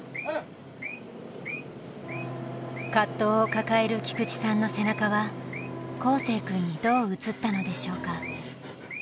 葛藤を抱える菊地さんの背中は航世君にどう映ったのでしょうか。